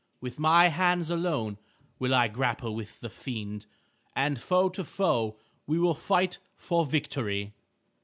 With my hands alone will I grapple with the fiend, and foe to foe we will fight for victory."